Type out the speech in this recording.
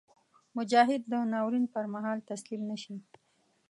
مجاهد د ناورین پر مهال تسلیم نهشي.